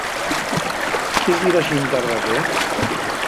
¿Quies dir a xintar daqué?